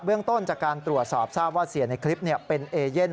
เรื่องต้นจากการตรวจสอบทราบว่าเสียในคลิปเป็นเอเย่น